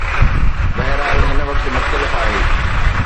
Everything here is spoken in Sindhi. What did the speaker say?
بهرحال، هن وقت مختلف آهي.